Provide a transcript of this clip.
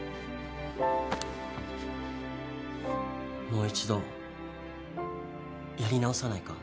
もう一度やり直さないか？